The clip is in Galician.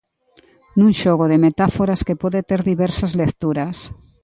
Nun xogo de metáforas que pode ter diversas lecturas.